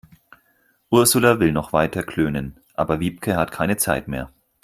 Ursula will noch weiter klönen, aber Wiebke hat keine Zeit mehr.